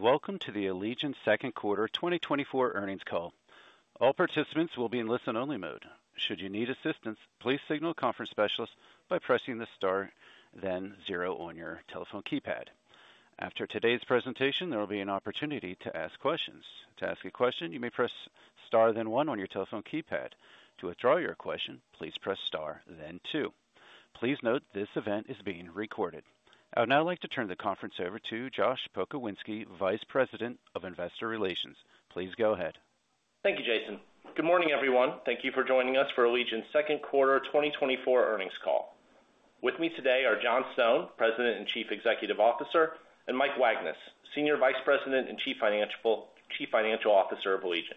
Welcome to the Allegion second quarter 2024 earnings call. All participants will be in listen-only mode. Should you need assistance, please signal a conference specialist by pressing the star, then zero on your telephone keypad. After today's presentation, there will be an opportunity to ask questions. To ask a question, you may press star, then one on your telephone keypad. To withdraw your question, please press star, then two. Please note, this event is being recorded. I would now like to turn the conference over to Josh Pokrzywinski, Vice President of Investor Relations. Please go ahead. Thank you, Jason. Good morning, everyone. Thank you for joining us for Allegion's second quarter 2024 earnings call. With me today are John Stone, President and Chief Executive Officer, and Mike Wagnes, Senior Vice President and Chief Financial, Chief Financial Officer of Allegion.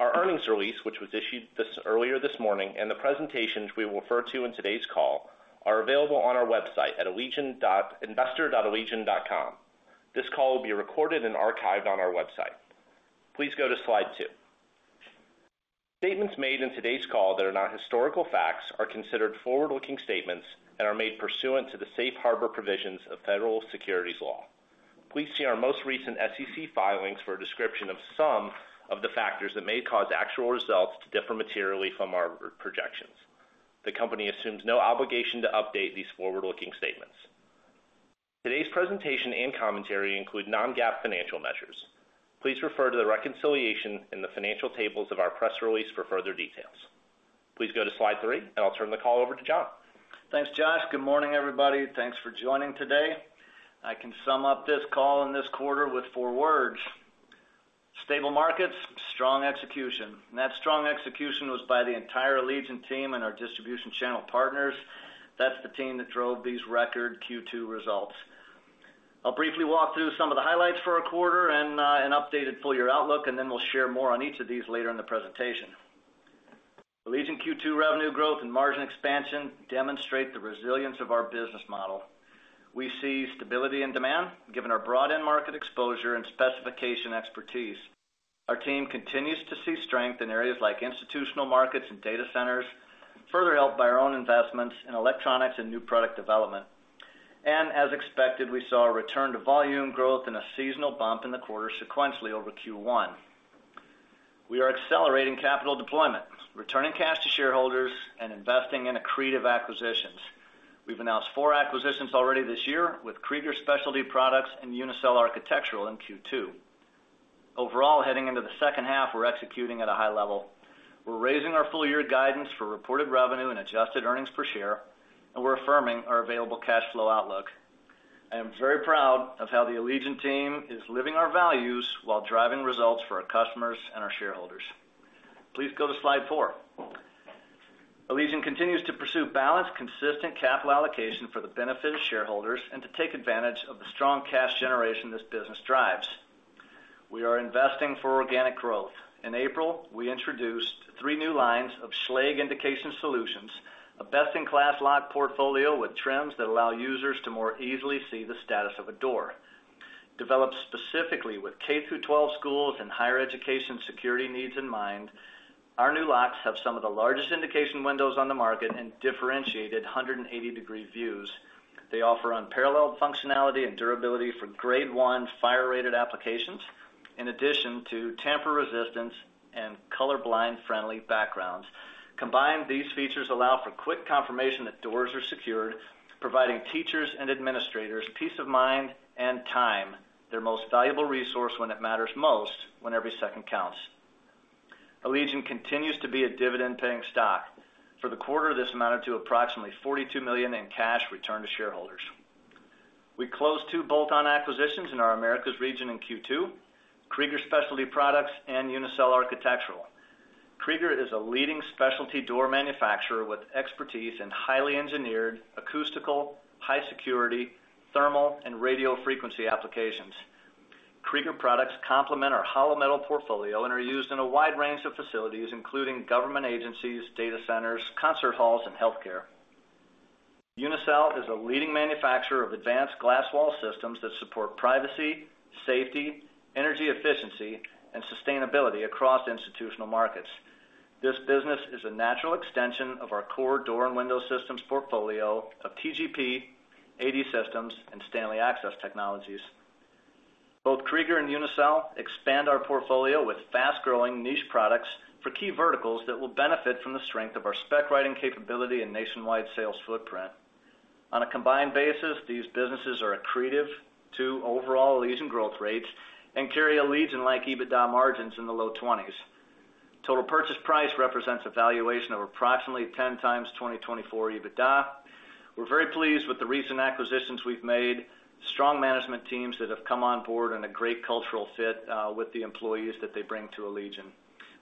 Our earnings release, which was issued earlier this morning, and the presentations we will refer to in today's call, are available on our website at investor.allegion.com. This call will be recorded and archived on our website. Please go to slide two. Statements made in today's call that are not historical facts are considered forward-looking statements and are made pursuant to the safe harbor provisions of federal securities law. Please see our most recent SEC filings for a description of some of the factors that may cause actual results to differ materially from our projections. The company assumes no obligation to update these forward-looking statements. Today's presentation and commentary include non-GAAP financial measures. Please refer to the reconciliation in the financial tables of our press release for further details. Please go to slide three, and I'll turn the call over to John. Thanks, Josh. Good morning, everybody. Thanks for joining today. I can sum up this call in this quarter with four words: stable markets, strong execution. And that strong execution was by the entire Allegion team and our distribution channel partners. That's the team that drove these record Q2 results. I'll briefly walk through some of the highlights for our quarter and an updated full year outlook, and then we'll share more on each of these later in the presentation. Allegion Q2 revenue growth and margin expansion demonstrate the resilience of our business model. We see stability and demand, given our broad end market exposure and specification expertise. Our team continues to see strength in areas like institutional markets and data centers, further helped by our own investments in electronics and new product development. As expected, we saw a return to volume growth and a seasonal bump in the quarter sequentially over Q1. We are accelerating capital deployment, returning cash to shareholders, and investing in accretive acquisitions. We've announced four acquisitions already this year, with Krieger Specialty Products and Unicel Architectural in Q2. Overall, heading into the second half, we're executing at a high level. We're raising our full-year guidance for reported revenue and adjusted earnings per share, and we're affirming our available cash flow outlook. I am very proud of how the Allegion team is living our values while driving results for our customers and our shareholders. Please go to slide four. Allegion continues to pursue balanced, consistent capital allocation for the benefit of shareholders and to take advantage of the strong cash generation this business drives. We are investing for organic growth. In April, we introduced three new lines of Schlage Indication Solutions, a best-in-class lock portfolio with trims that allow users to more easily see the status of a door. Developed specifically with K-12 schools and higher education security needs in mind, our new locks have some of the largest indication windows on the market and differentiated 180-degree views. They offer unparalleled functionality and durability for Grade 1 fire-rated applications, in addition to tamper resistance and colorblind-friendly backgrounds. Combined, these features allow for quick confirmation that doors are secured, providing teachers and administrators peace of mind and time, their most valuable resource, when it matters most, when every second counts. Allegion continues to be a dividend-paying stock. For the quarter, this amounted to approximately $42 million in cash returned to shareholders. We closed two bolt-on acquisitions in our Americas region in Q2, Krieger Specialty Products and Unicel Architectural. Krieger is a leading specialty door manufacturer with expertise in highly engineered, acoustical, high security, thermal, and radio frequency applications. Krieger products complement our hollow metal portfolio and are used in a wide range of facilities, including government agencies, data centers, concert halls, and healthcare. Unicel is a leading manufacturer of advanced glass wall systems that support privacy, safety, energy efficiency, and sustainability across institutional markets. This business is a natural extension of our core door and window systems portfolio of TGP, AD Systems, and Stanley Access Technologies. Both Krieger and Unicel expand our portfolio with fast-growing niche products for key verticals that will benefit from the strength of our spec writing capability and nationwide sales footprint. On a combined basis, these businesses are accretive to overall Allegion growth rates and carry Allegion-like EBITDA margins in the low 20s. Total purchase price represents a valuation of approximately 10x 2024 EBITDA. We're very pleased with the recent acquisitions we've made, strong management teams that have come on board, and a great cultural fit with the employees that they bring to Allegion.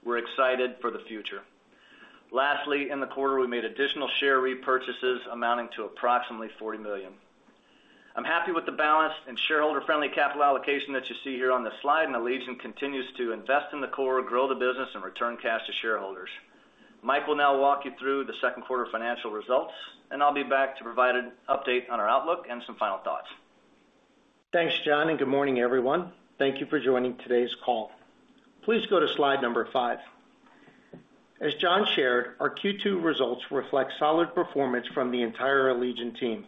We're excited for the future. Lastly, in the quarter, we made additional share repurchases amounting to approximately $40 million. I'm happy with the balanced and shareholder-friendly capital allocation that you see here on this slide, and Allegion continues to invest in the core, grow the business, and return cash to shareholders. Mike will now walk you through the second quarter financial results, and I'll be back to provide an update on our outlook and some final thoughts. Thanks, John, and good morning, everyone. Thank you for joining today's call. Please go to slide number five. As John shared, our Q2 results reflect solid performance from the entire Allegion team.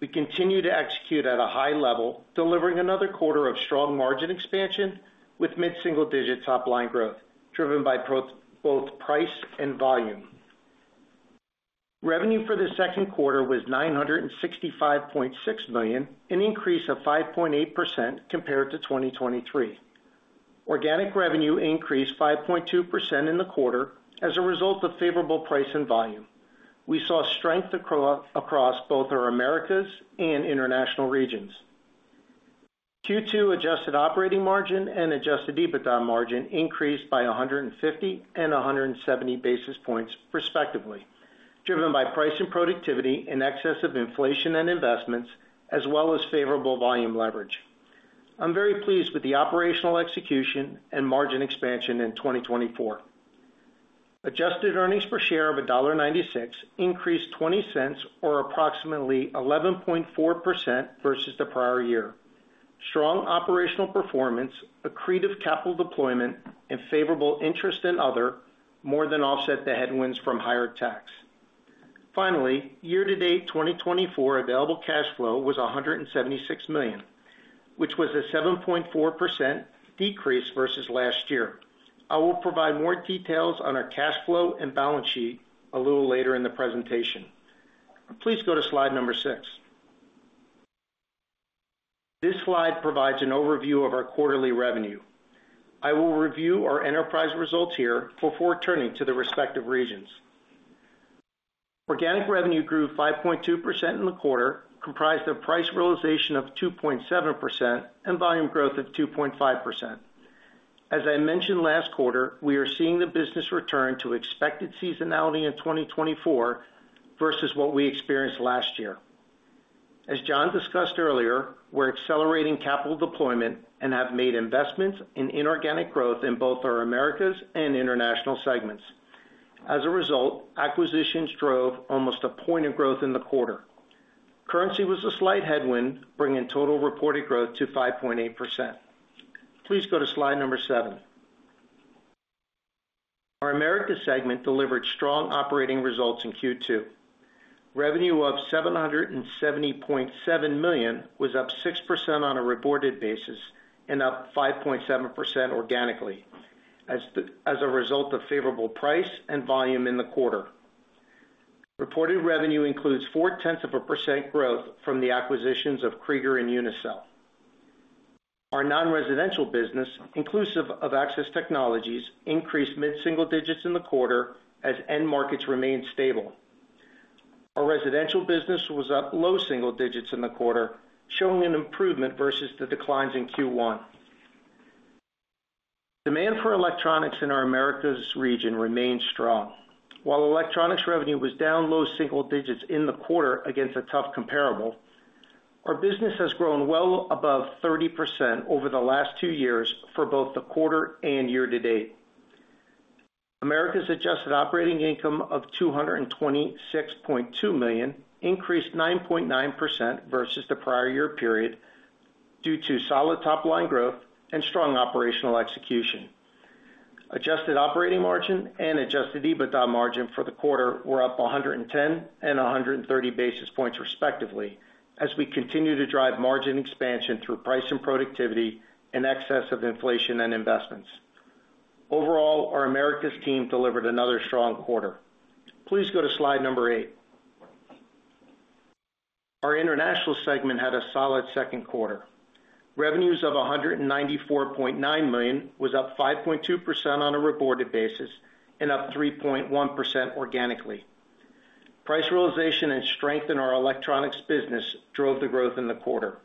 We continue to execute at a high level, delivering another quarter of strong margin expansion with mid-single-digit top-line growth, driven by both, both price and volume. Revenue for the second quarter was $965.6 million, an increase of 5.8% compared to 2023. Organic revenue increased 5.2% in the quarter as a result of favorable price and volume. We saw strength across, across both our Americas and International regions. Q2 adjusted operating margin and adjusted EBITDA margin increased by 150 and 170 basis points, respectively, driven by price and productivity in excess of inflation and investments, as well as favorable volume leverage. I'm very pleased with the operational execution and margin expansion in 2024. Adjusted earnings per share of $1.96 increased $0.20, or approximately 11.4% versus the prior year. Strong operational performance, accretive capital deployment, and favorable interest and other more than offset the headwinds from higher tax. Finally, year-to-date 2024 available cash flow was $176 million, which was a 7.4% decrease versus last year. I will provide more details on our cash flow and balance sheet a little later in the presentation. Please go to slide 6. This slide provides an overview of our quarterly revenue. I will review our enterprise results here before turning to the respective regions. Organic revenue grew 5.2% in the quarter, comprised of price realization of 2.7% and volume growth of 2.5%. As I mentioned last quarter, we are seeing the business return to expected seasonality in 2024 versus what we experienced last year. As John discussed earlier, we're accelerating capital deployment and have made investments in inorganic growth in both our Americas and International segments. As a result, acquisitions drove almost a point of growth in the quarter. Currency was a slight headwind, bringing total reported growth to 5.8%. Please go to slide seven. Our Americas segment delivered strong operating results in Q2. Revenue of $770.7 million was up 6% on a reported basis and up 5.7% organically, as a result of favorable price and volume in the quarter. Reported revenue includes 0.4% growth from the acquisitions of Krieger and Unicel. Our non-residential business, inclusive of Access Technologies, increased mid-single digits in the quarter as end markets remained stable. Our residential business was up low single digits in the quarter, showing an improvement versus the declines in Q1. Demand for electronics in our Americas region remains strong. While electronics revenue was down low single digits in the quarter against a tough comparable, our business has grown well above 30% over the last two years for both the quarter and year-to-date. Americas adjusted operating income of $226.2 million increased 9.9% versus the prior year period due to solid top-line growth and strong operational execution. Adjusted operating margin and adjusted EBITDA margin for the quarter were up 110 and 130 basis points, respectively, as we continue to drive margin expansion through price and productivity in excess of inflation and investments. Overall, our Americas team delivered another strong quarter. Please go to slide number eight. Our International segment had a solid second quarter. Revenues of $194.9 million was up 5.2% on a reported basis and up 3.1% organically. Price realization and strength in our electronics business drove the growth in the quarter.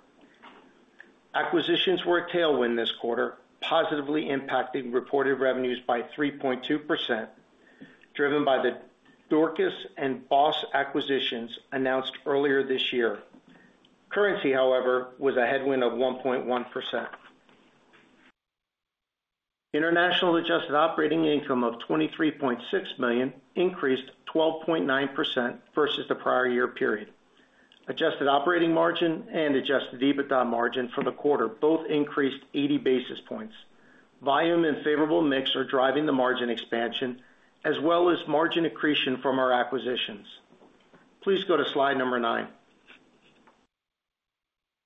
Acquisitions were a tailwind this quarter, positively impacting reported revenues by 3.2%, driven by the Dorcas and Boss acquisitions announced earlier this year. Currency, however, was a headwind of 1.1%. International adjusted operating income of $23.6 million increased 12.9% versus the prior year period. Adjusted operating margin and adjusted EBITDA margin for the quarter both increased 80 basis points. Volume and favorable mix are driving the margin expansion, as well as margin accretion from our acquisitions. Please go to slide number nine.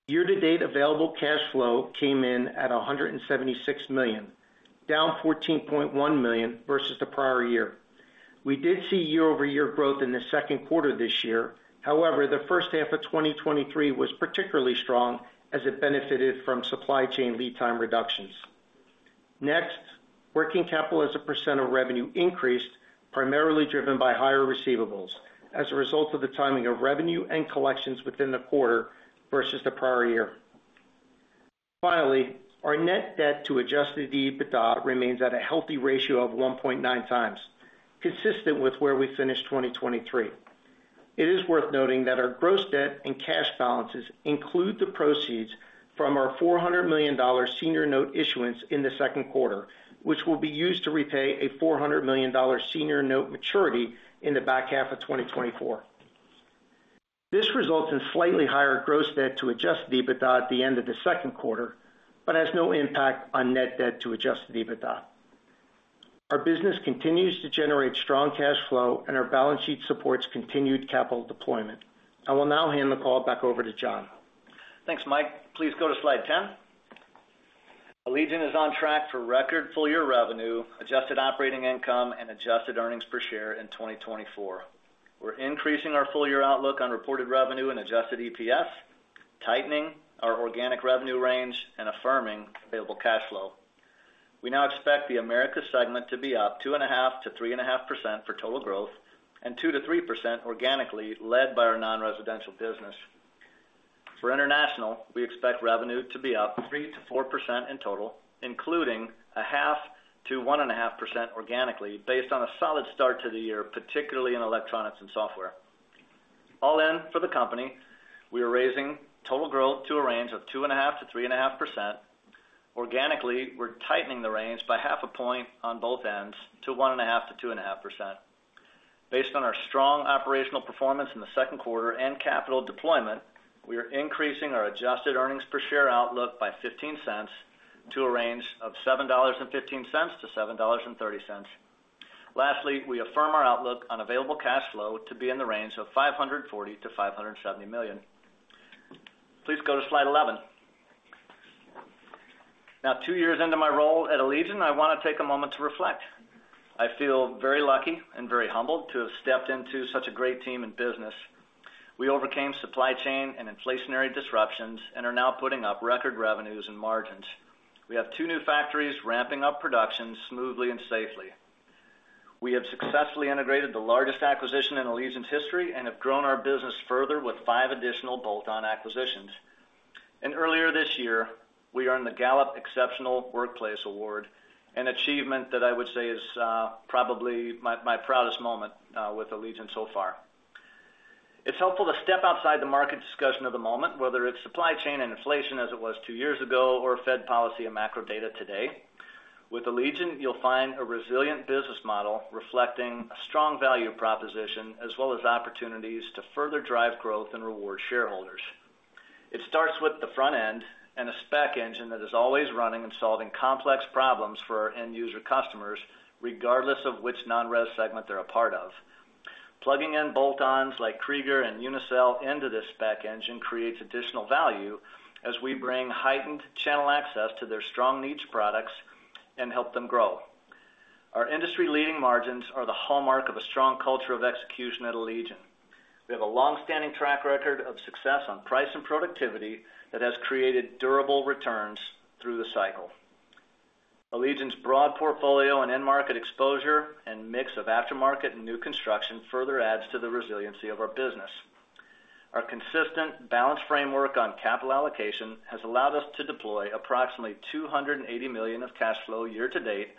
Year-to-date available cash flow came in at $176 million, down $14.1 million versus the prior year. We did see year-over-year growth in the second quarter this year. However, the first half of 2023 was particularly strong as it benefited from supply chain lead time reductions. Next, working capital as a % of revenue increased, primarily driven by higher receivables as a result of the timing of revenue and collections within the quarter versus the prior year. Finally, our net debt to Adjusted EBITDA remains at a healthy ratio of 1.9x, consistent with where we finished 2023. It is worth noting that our gross debt and cash balances include the proceeds from our $400 million senior note issuance in the second quarter, which will be used to repay a $400 million senior note maturity in the back half of 2024. This results in slightly higher gross debt to Adjusted EBITDA at the end of the second quarter, but has no impact on net debt to Adjusted EBITDA. Our business continues to generate strong cash flow, and our balance sheet supports continued capital deployment. I will now hand the call back over to John. Thanks, Mike. Please go to slide 10. Allegion is on track for record full-year revenue, adjusted operating income, and adjusted earnings per share in 2024. We're increasing our full-year outlook on reported revenue and adjusted EPS, tightening our organic revenue range, and affirming available cash flow. We now expect the Americas segment to be up 2.5%-3.5% for total growth and 2%-3% organically, led by our non-residential business. For International, we expect revenue to be up 3%-4% in total, including 0.5%-1.5% organically, based on a solid start to the year, particularly in electronics and software. All in for the company, we are raising total growth to a range of 2.5%-3.5%. Organically, we're tightening the range by half a point on both ends to 1.5%-2.5%. Based on our strong operational performance in the second quarter and capital deployment, we are increasing our adjusted earnings per share outlook by $0.15 to a range of $7.15-$7.30. Lastly, we affirm our outlook on available cash flow to be in the range of $540 million-$570 million. Please go to slide 11. Now, two years into my role at Allegion, I want to take a moment to reflect. I feel very lucky and very humbled to have stepped into such a great team and business. We overcame supply chain and inflationary disruptions and are now putting up record revenues and margins. We have two new factories ramping up production smoothly and safely. We have successfully integrated the largest acquisition in Allegion's history and have grown our business further with five additional bolt-on acquisitions. Earlier this year, we earned the Gallup Exceptional Workplace Award, an achievement that I would say is, probably my, my proudest moment, with Allegion so far. It's helpful to step outside the market discussion of the moment, whether it's supply chain and inflation, as it was two years ago, or Fed policy and macro data today. With Allegion, you'll find a resilient business model reflecting a strong value proposition, as well as opportunities to further drive growth and reward shareholders. It starts with the front end and a spec engine that is always running and solving complex problems for our end user customers, regardless of which non-res segment they're a part of. Plugging in bolt-ons like Krieger and Unicel into this spec engine creates additional value as we bring heightened channel access to their strong niche products and help them grow. Our industry-leading margins are the hallmark of a strong culture of execution at Allegion. We have a long-standing track record of success on price and productivity that has created durable returns through the cycle. Allegion's broad portfolio and end market exposure and mix of aftermarket and new construction further adds to the resiliency of our business. Our consistent balanced framework on capital allocation has allowed us to deploy approximately $280 million of cash flow year-to-date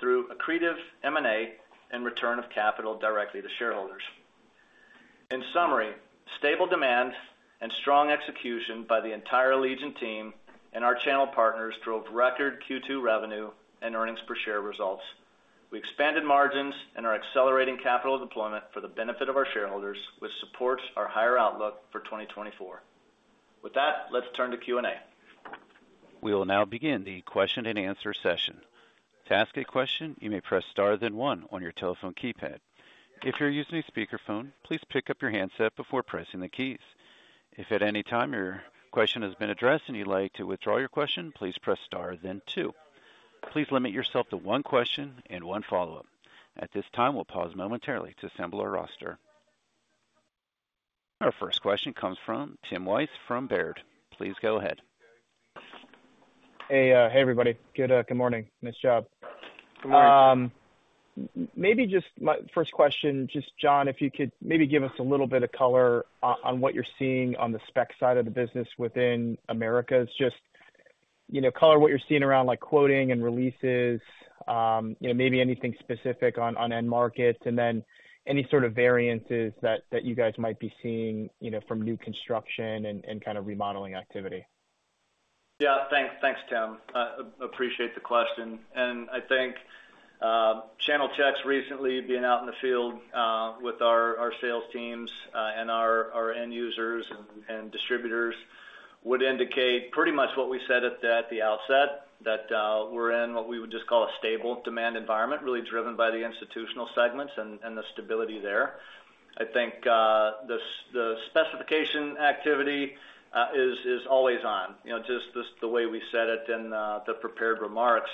through accretive M&A and return of capital directly to shareholders. In summary, stable demand and strong execution by the entire Allegion team and our channel partners drove record Q2 revenue and earnings per share results. We expanded margins and are accelerating capital deployment for the benefit of our shareholders, which supports our higher outlook for 2024. With that, let's turn to Q&A. We will now begin the question-and-answer session. To ask a question, you may press star, then one on your telephone keypad. If you're using a speakerphone, please pick up your handset before pressing the keys. If at any time your question has been addressed and you'd like to withdraw your question, please press star, then two. Please limit yourself to one question and one follow-up. At this time, we'll pause momentarily to assemble our roster. Our first question comes from Tim Wojs from Baird. Please go ahead. Hey, hey, everybody. Good, good morning. Nice job. Good morning. Maybe just my first question, just, John, if you could maybe give us a little bit of color on what you're seeing on the spec side of the business within Americas. Just, you know, color what you're seeing around, like, quoting and releases, you know, maybe anything specific on, on end markets, and then any sort of variances that you guys might be seeing, you know, from new construction and kind of remodeling activity. Yeah, thanks. Thanks, Tim. Appreciate the question, and I think, channel checks recently, being out in the field, with our, our sales teams, and our, our end users and, and distributors, would indicate pretty much what we said at the, at the outset, that, we're in what we would just call a stable demand environment, really driven by the institutional segments and, and the stability there. I think, the specification activity, is always on, you know, just the way we said it in, the prepared remarks.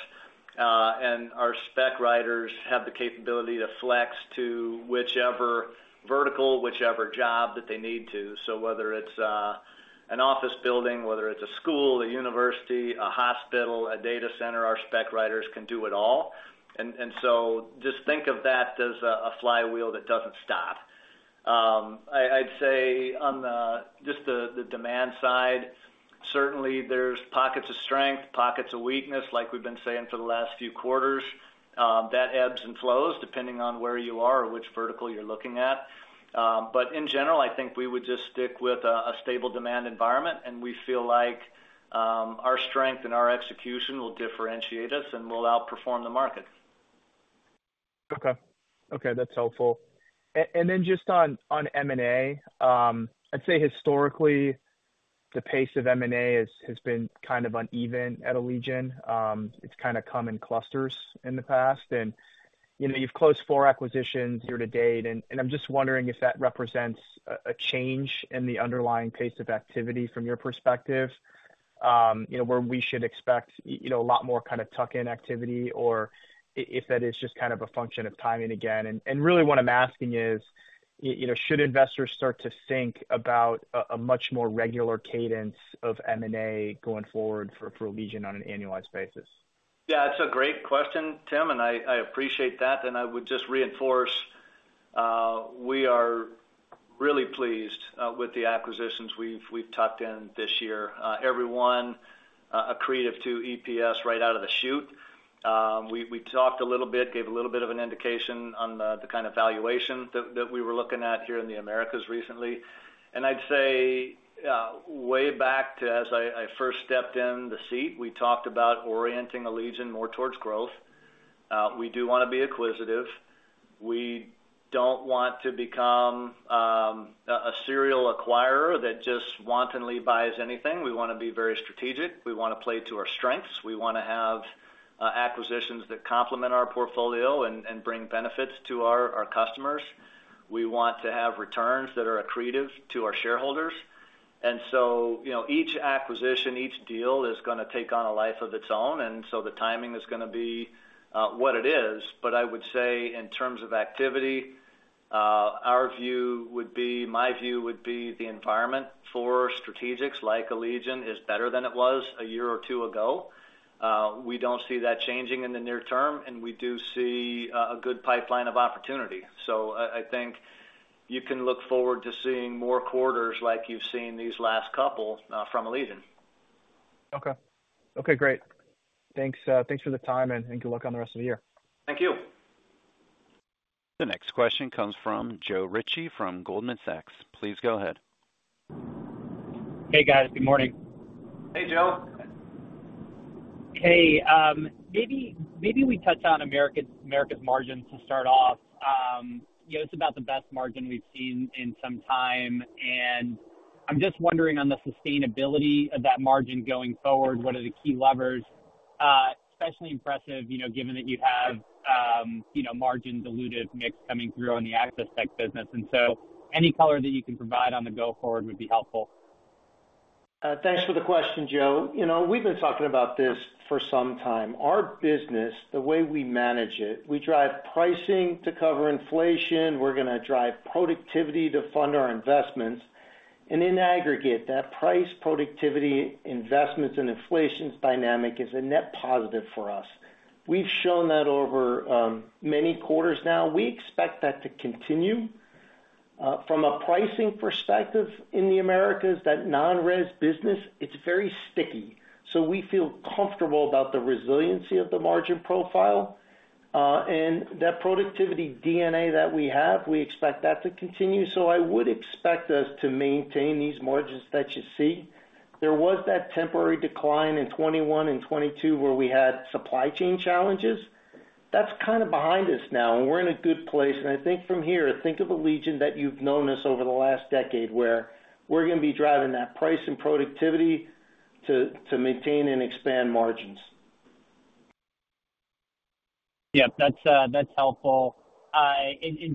And our spec writers have the capability to flex to whichever vertical, whichever job that they need to. So whether it's, an office building, whether it's a school, a university, a hospital, a data center, our spec writers can do it all. And so just think of that as a flywheel that doesn't stop. I'd say on just the demand side, certainly there's pockets of strength, pockets of weakness, like we've been saying for the last few quarters. That ebbs and flows depending on where you are or which vertical you're looking at. But in general, I think we would just stick with a stable demand environment, and we feel like our strength and our execution will differentiate us, and we'll outperform the market. Okay. Okay, that's helpful. And then just on M&A, I'd say historically, the pace of M&A has been kind of uneven at Allegion. It's kind of come in clusters in the past, and, you know, you've closed four acquisitions year to date, and I'm just wondering if that represents a change in the underlying pace of activity from your perspective? You know, where we should expect you know, a lot more kind of tuck-in activity, or if that is just kind of a function of timing again. And really what I'm asking is, you know, should investors start to think about a much more regular cadence of M&A going forward for Allegion on an annualized basis? Yeah, it's a great question, Tim, and I appreciate that. And I would just reinforce, we are really pleased, with the acquisitions we've tucked in this year. Everyone, accretive to EPS right out of the chute. We talked a little bit, gave a little bit of an indication on the kind of valuation that we were looking at here in the Americas recently. And I'd say, way back to as I first stepped in the seat, we talked about orienting Allegion more towards growth. We do want to be acquisitive. We don't want to become, a serial acquirer that just wantonly buys anything. We want to be very strategic. We want to play to our strengths. We want to have, acquisitions that complement our portfolio and bring benefits to our customers. We want to have returns that are accretive to our shareholders. So, you know, each acquisition, each deal is gonna take on a life of its own, and so the timing is gonna be what it is. But I would say in terms of activity, our view would be the environment for strategics like Allegion is better than it was a year or two ago. We don't see that changing in the near term, and we do see a good pipeline of opportunity. So I think you can look forward to seeing more quarters like you've seen these last couple from Allegion. Okay. Okay, great. Thanks. Thanks for the time, and good luck on the rest of the year. Thank you. The next question comes from Joe Ritchie from Goldman Sachs. Please go ahead. Hey, guys. Good morning. Hey, Joe. Hey, maybe we touch on Americas, Americas margins to start off. You know, it's about the best margin we've seen in some time, and I'm just wondering on the sustainability of that margin going forward, what are the key levers? Especially impressive, you know, given that you have, you know, margins, dilutive mix coming through on the Access Tech business. And so any color that you can provide on the go forward would be helpful. Thanks for the question, Joe. You know, we've been talking about this for some time. Our business, the way we manage it, we drive pricing to cover inflation. We're gonna drive productivity to fund our investments. And in aggregate, that price, productivity, investments, and inflation's dynamic is a net positive for us. We've shown that over many quarters now. We expect that to continue. From a pricing perspective in the Americas, that non-res business, it's very sticky, so we feel comfortable about the resiliency of the margin profile. And that productivity DNA that we have, we expect that to continue. So I would expect us to maintain these margins that you see. There was that temporary decline in 2021 and 2022, where we had supply chain challenges. That's kind of behind us now, and we're in a good place. I think from here, think of Allegion that you've known us over the last decade, where we're gonna be driving that price and productivity to maintain and expand margins. Yep, that's helpful.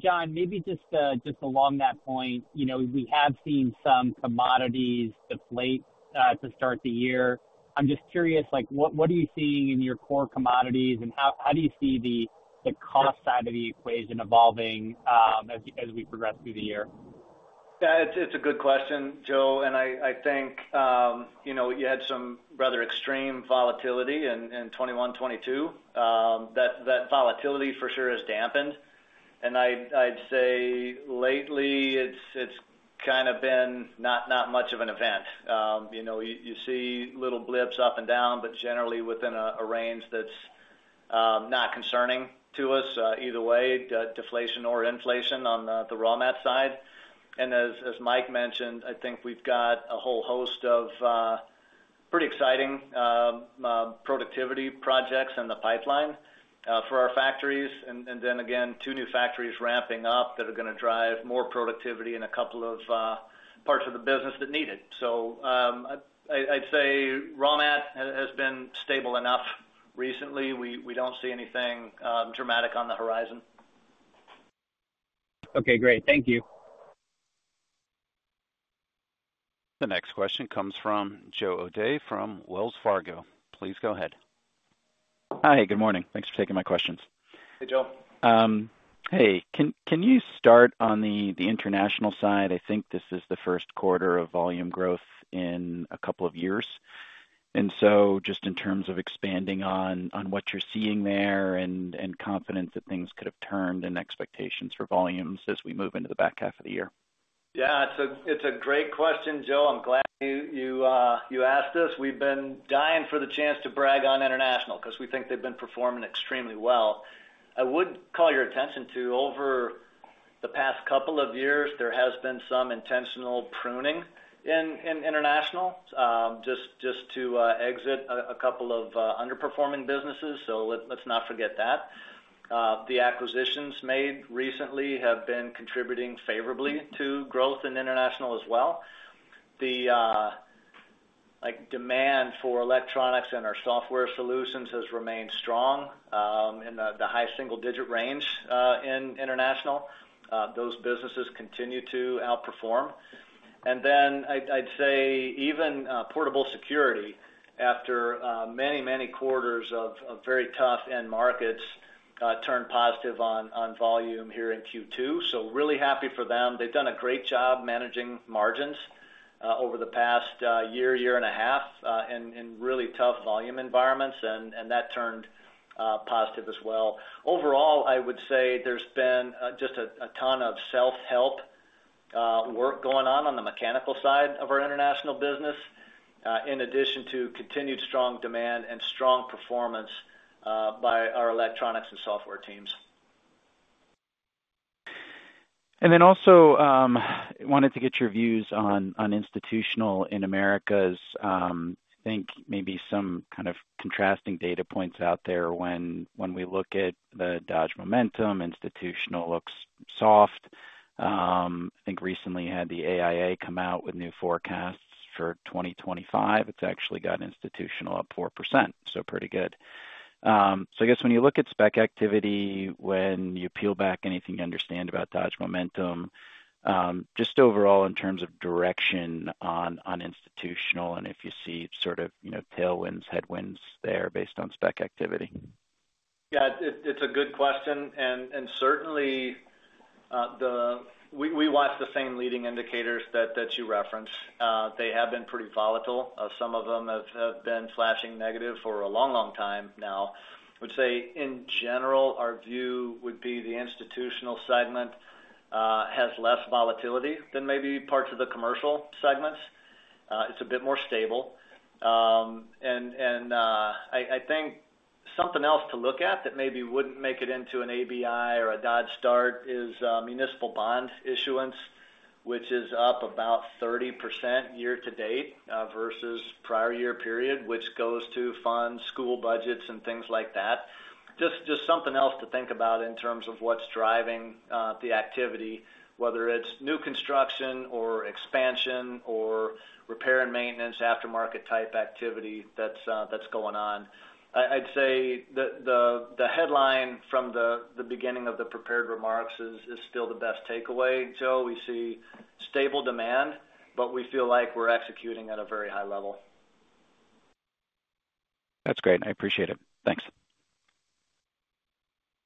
John, maybe just along that point, you know, we have seen some commodities deflate to start the year. I'm just curious, like, what are you seeing in your core commodities, and how do you see the cost side of the equation evolving, as we progress through the year? Yeah, it's a good question, Joe, and I think, you know, you had some rather extreme volatility in 2021, 2022. That volatility for sure has dampened. And I'd say lately it's kind of been not much of an event. You know, you see little blips up and down, but generally within a range that's not concerning to us, either way, deflation or inflation on the raw mat side. And as Mike mentioned, I think we've got a whole host of pretty exciting productivity projects in the pipeline for our factories. And then again, two new factories ramping up that are gonna drive more productivity in a couple of parts of the business that need it. So, I'd say raw mat has been stable enough recently. We don't see anything dramatic on the horizon. Okay, great. Thank you. The next question comes from Joe O'Dea from Wells Fargo. Please go ahead. Hi, good morning. Thanks for taking my questions. Hey, Joe. Hey, can you start on the international side? I think this is the first quarter of volume growth in a couple of years. And so just in terms of expanding on what you're seeing there and confidence that things could have turned and expectations for volumes as we move into the back half of the year. Yeah, it's a great question, Joe. I'm glad you asked us. We've been dying for the chance to brag on International because we think they've been performing extremely well. I would call your attention to the past couple of years, there has been some intentional pruning in International, just to exit a couple of underperforming businesses, so let's not forget that. The acquisitions made recently have been contributing favorably to growth in International as well. The, like, demand for electronics and our software solutions has remained strong in the high single-digit range in International. Those businesses continue to outperform. And then I'd say even portable security, after many, many quarters of very tough end markets, turned positive on volume here in Q2, so really happy for them. They've done a great job managing margins over the past year and a half in really tough volume environments, and that turned positive as well. Overall, I would say there's been just a ton of self-help work going on on the mechanical side of our international business, in addition to continued strong demand and strong performance by our electronics and software teams. And then also, wanted to get your views on, on institutional in Americas. I think maybe some kind of contrasting data points out there when, when we look at the Dodge Momentum, institutional looks soft. I think recently had the AIA come out with new forecasts for 2025. It's actually got institutional up 4%, so pretty good. So I guess when you look at spec activity, when you peel back anything you understand about Dodge Momentum, just overall in terms of direction on, on institutional, and if you see sort of, you know, tailwinds, headwinds there based on spec activity. Yeah, it's a good question. And certainly, we watch the same leading indicators that you referenced. They have been pretty volatile. Some of them have been flashing negative for a long, long time now. I would say, in general, our view would be the institutional segment has less volatility than maybe parts of the commercial segments. It's a bit more stable. And I think something else to look at that maybe wouldn't make it into an ABI or a Dodge start is municipal bond issuance, which is up about 30% year to date versus prior year period, which goes to fund school budgets and things like that. Just something else to think about in terms of what's driving the activity, whether it's new construction or expansion or repair and maintenance, aftermarket type activity that's going on. I'd say the headline from the beginning of the prepared remarks is still the best takeaway, Joe. We see stable demand, but we feel like we're executing at a very high level. That's great. I appreciate it. Thanks.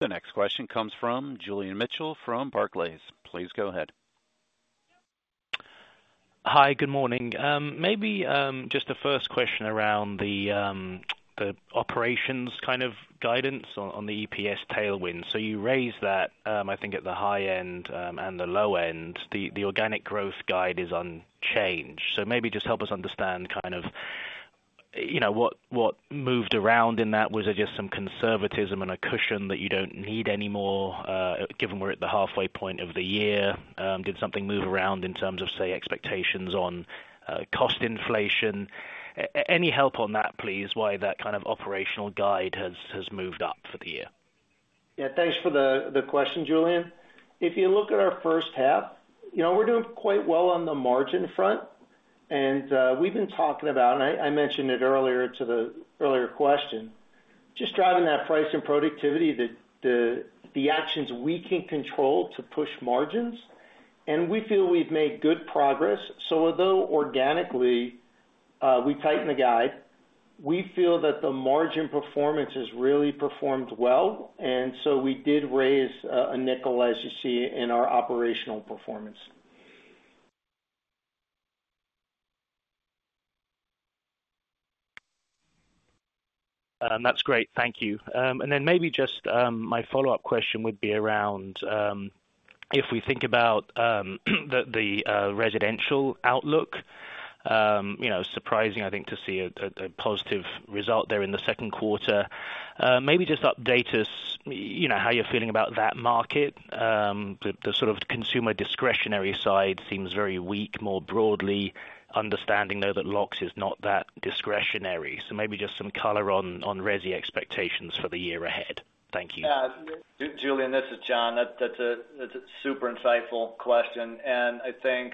The next question comes from Julian Mitchell from Barclays. Please go ahead. Hi, good morning. Maybe just the first question around the operations kind of guidance on the EPS tailwind. So you raised that, I think at the high end, and the low end, the organic growth guide is unchanged. So maybe just help us understand kind of, you know, what moved around in that. Was it just some conservatism and a cushion that you don't need anymore, given we're at the halfway point of the year? Did something move around in terms of, say, expectations on cost inflation? Any help on that, please, why that kind of operational guide has moved up for the year? Yeah, thanks for the question, Julian. If you look at our first half, you know, we're doing quite well on the margin front, and we've been talking about, and I mentioned it earlier to the earlier question, just driving that price and productivity, the actions we can control to push margins, and we feel we've made good progress. So although organically, we tightened the guide, we feel that the margin performance has really performed well, and so we did raise a nickel, as you see, in our operational performance. That's great. Thank you. And then maybe just my follow-up question would be around if we think about the residential outlook, you know, surprising, I think, to see a positive result there in the second quarter. Maybe just update us, you know, how you're feeling about that market. The sort of consumer discretionary side seems very weak, more broadly, understanding, though, that locks is not that discretionary. So maybe just some color on resi expectations for the year ahead. Thank you. Yeah. Julian, this is John. That's a super insightful question, and I think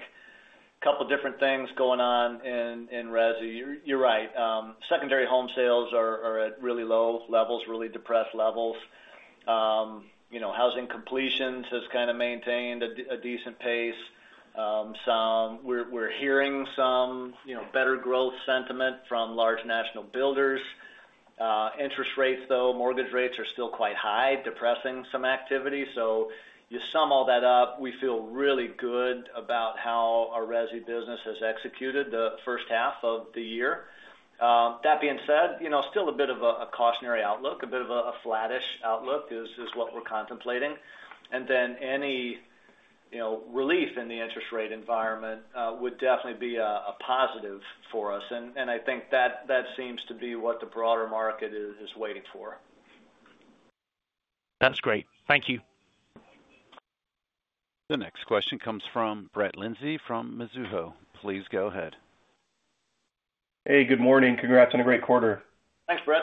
a couple different things going on in resi. You're right, secondary home sales are at really low levels, really depressed levels. You know, housing completions has kind of maintained a decent pace. We're hearing some, you know, better growth sentiment from large national builders. Interest rates, though, mortgage rates are still quite high, depressing some activity. So you sum all that up, we feel really good about how our resi business has executed the first half of the year. That being said, you know, still a bit of a cautionary outlook, a bit of a flattish outlook is what we're contemplating. Then any, you know, relief in the interest rate environment would definitely be a positive for us, and I think that seems to be what the broader market is waiting for. That's great. Thank you. The next question comes from Brett Linzey from Mizuho. Please go ahead. Hey, good morning. Congrats on a great quarter. Thanks, Brett.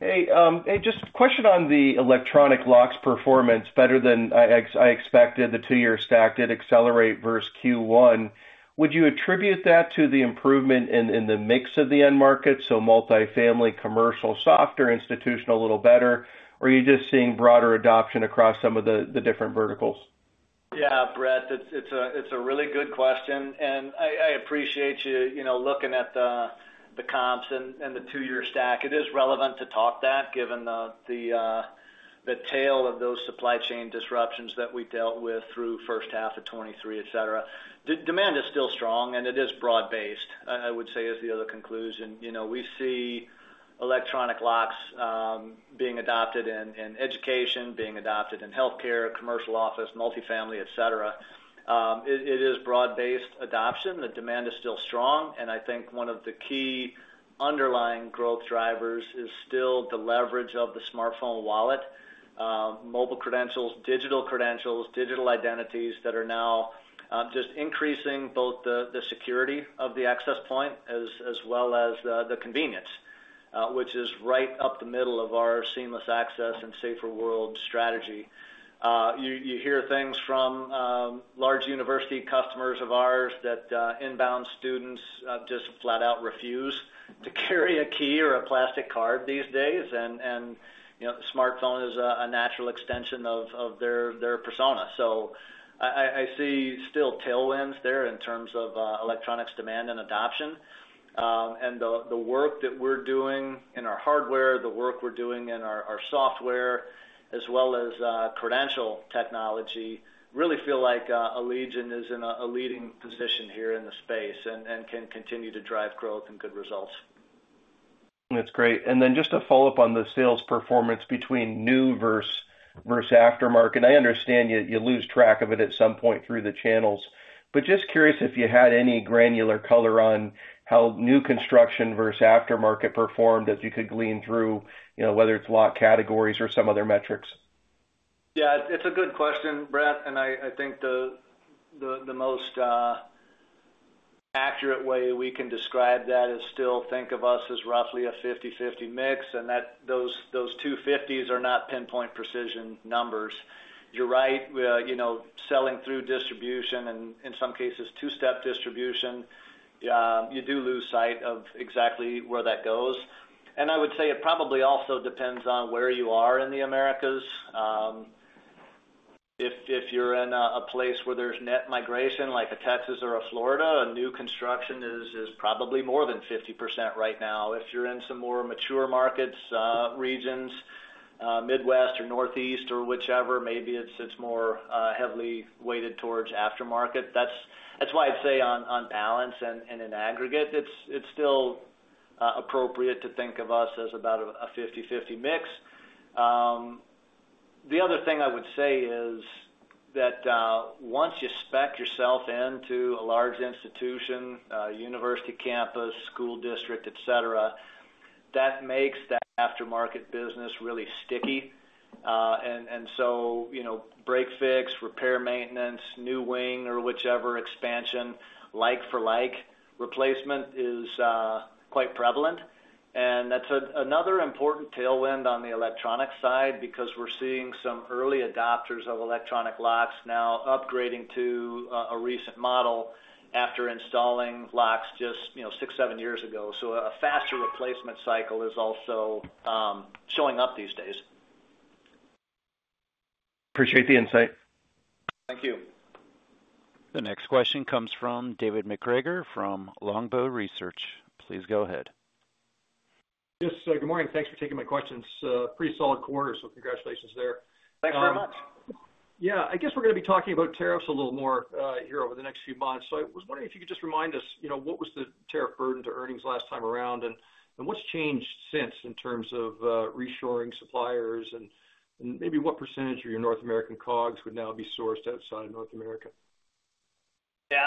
Hey, hey, just a question on the electronic locks performance, better than I expected, the two-year stack did accelerate versus Q1. Would you attribute that to the improvement in the mix of the end market, so multifamily, commercial, softer, institutional, a little better, or are you just seeing broader adoption across some of the different verticals? Yeah, Brett, it's a really good question, and I appreciate you, you know, looking at the comps and the two-year stack. It is relevant to talk that given the tail of those supply chain disruptions that we dealt with through first half of 2023, et cetera. The demand is still strong, and it is broad-based, I would say is the other conclusion. You know, we see electronic locks being adopted in education, being adopted in healthcare, commercial office, multifamily, et cetera. It is broad-based adoption. The demand is still strong, and I think one of the key underlying growth drivers is still the leverage of the smartphone wallet, mobile credentials, digital credentials, digital identities that are now just increasing both the security of the access point as well as the convenience, which is right up the middle of our seamless access and safer world strategy. You hear things from large university customers of ours that inbound students just flat out refuse to carry a key or a plastic card these days, and, you know, the smartphone is a natural extension of their persona. So I see still tailwinds there in terms of electronics demand and adoption. And the work that we're doing in our hardware, the work we're doing in our software, as well as credential technology, really feel like Allegion is in a leading position here in the space and can continue to drive growth and good results. That's great. And then just to follow up on the sales performance between new versus aftermarket. I understand you lose track of it at some point through the channels, but just curious if you had any granular color on how new construction versus aftermarket performed, as you could glean through, you know, whether it's lock categories or some other metrics. Yeah, it's a good question, Brett, and I think the most accurate way we can describe that is still think of us as roughly a 50/50 mix, and that those two 50s are not pinpoint precision numbers. You're right, you know, selling through distribution and in some cases, two-step distribution, you do lose sight of exactly where that goes. And I would say it probably also depends on where you are in the Americas. If you're in a place where there's net migration, like Texas or Florida, new construction is probably more than 50% right now. If you're in some more mature markets, regions, Midwest or Northeast or whichever, maybe it's more heavily weighted towards aftermarket. That's why I'd say on balance and in aggregate, it's still appropriate to think of us as about a 50/50 mix. The other thing I would say is that once you spec yourself into a large institution, university campus, school district, et cetera, that makes the aftermarket business really sticky. And so, you know, break fix, repair, maintenance, new wing, or whichever expansion, like-for-like replacement is quite prevalent. And that's another important tailwind on the electronic side because we're seeing some early adopters of electronic locks now upgrading to a recent model after installing locks just, you know, six, seven years ago. So a faster replacement cycle is also showing up these days. Appreciate the insight. Thank you. The next question comes from David MacGregor from Longbow Research. Please go ahead. Yes, good morning. Thanks for taking my questions. Pretty solid quarter, so congratulations there. Thanks very much. Yeah, I guess we're going to be talking about tariffs a little more here over the next few months. So I was wondering if you could just remind us, you know, what was the tariff burden to earnings last time around, and what's changed since in terms of reshoring suppliers, and maybe what percentage of your North American COGS would now be sourced outside North America? Yeah,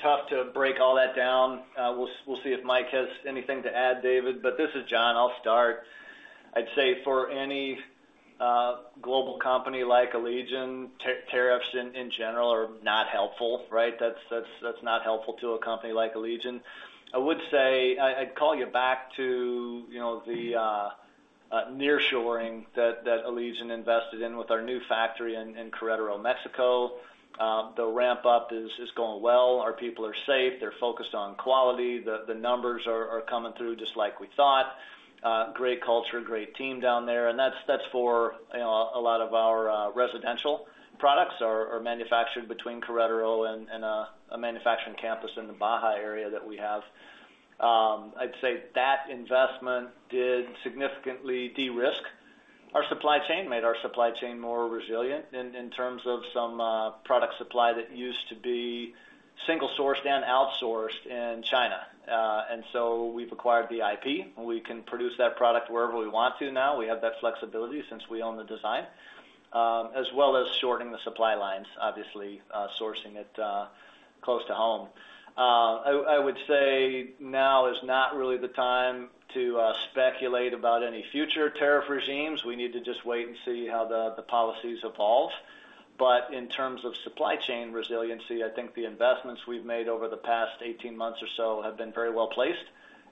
tough to break all that down. We'll see if Mike has anything to add, David, but this is John. I'll start. I'd say for any global company like Allegion, tariffs in general are not helpful, right? That's not helpful to a company like Allegion. I would say, I'd call you back to, you know, the nearshoring that Allegion invested in with our new factory in Querétaro, Mexico. The ramp up is going well. Our people are safe. They're focused on quality. The numbers are coming through just like we thought. Great culture, great team down there, and that's for, you know, a lot of our residential products are manufactured between Querétaro and a manufacturing campus in the Baja area that we have. I'd say that investment did significantly de-risk our supply chain, made our supply chain more resilient in terms of some product supply that used to be single-sourced and outsourced in China. And so we've acquired the IP, and we can produce that product wherever we want to now. We have that flexibility since we own the design, as well as shortening the supply lines, obviously, sourcing it close to home. I would say now is not really the time to speculate about any future tariff regimes. We need to just wait and see how the policies evolve. But in terms of supply chain resiliency, I think the investments we've made over the past 18 months or so have been very well placed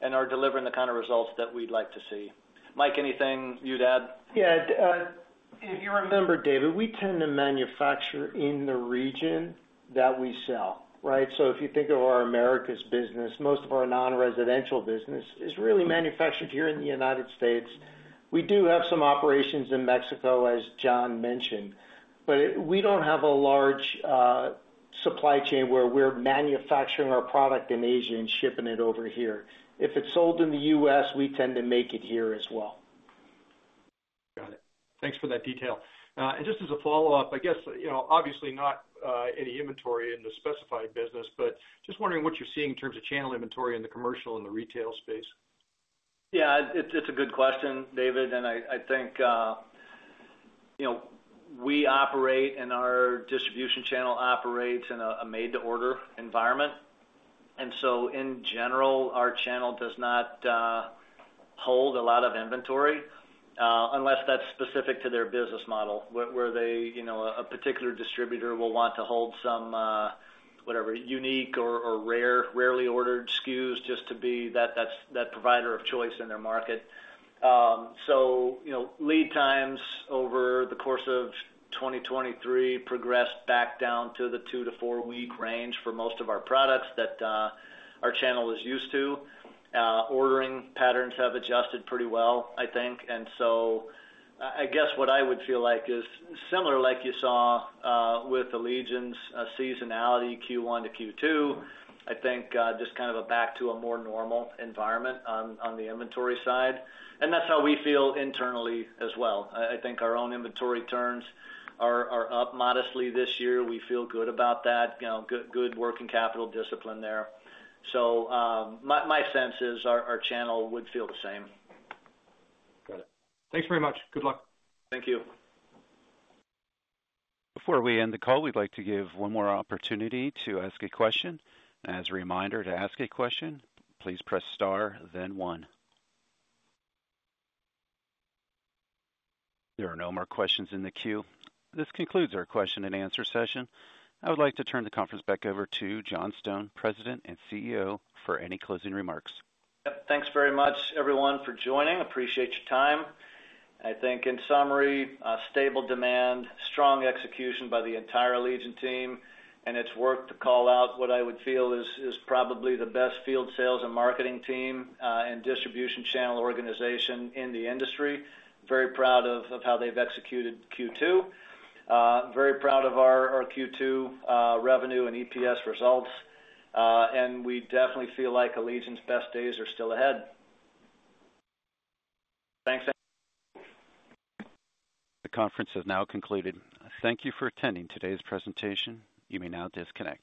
and are delivering the kind of results that we'd like to see. Mike, anything you'd add? Yeah. If you remember, David, we tend to manufacture in the region that we sell, right? So if you think of our Americas business, most of our non-residential business is really manufactured here in the United States. We do have some operations in Mexico, as John mentioned, but we don't have a large supply chain where we're manufacturing our product in Asia and shipping it over here. If it's sold in the US, we tend to make it here as well. Got it. Thanks for that detail. And just as a follow-up, I guess, you know, obviously not any inventory in the specified business, but just wondering what you're seeing in terms of channel inventory in the commercial and the retail space. Yeah, it's a good question, David, and I think, you know, we operate, and our distribution channel operates in a made-to-order environment. And so, in general, our channel does not hold a lot of inventory unless that's specific to their business model, where they, you know, a particular distributor will want to hold some whatever, unique or rarely ordered SKUs, just to be that provider of choice in their market. So, you know, lead times over the course of 2023 progressed back down to the two to four-week range for most of our products that our channel is used to. Ordering patterns have adjusted pretty well, I think. So I guess what I would feel like is similar, like you saw with Allegion's seasonality, Q1 to Q2. I think just kind of back to a more normal environment on the inventory side, and that's how we feel internally as well. I think our own inventory turns are up modestly this year. We feel good about that, you know, good working capital discipline there. So my sense is our channel would feel the same. Got it. Thanks very much. Good luck. Thank you. Before we end the call, we'd like to give one more opportunity to ask a question. As a reminder, to ask a question, please press star, then one. There are no more questions in the queue. This concludes our question and answer session. I would like to turn the conference back over to John Stone, President and CEO, for any closing remarks. Yep, thanks very much, everyone, for joining. Appreciate your time. I think, in summary, stable demand, strong execution by the entire Allegion team, and it's worth to call out what I would feel is probably the best field sales and marketing team, and distribution channel organization in the industry. Very proud of how they've executed Q2. Very proud of our Q2 revenue and EPS results. And we definitely feel like Allegion's best days are still ahead. Thanks, everyone. The conference has now concluded. Thank you for attending today's presentation. You may now disconnect.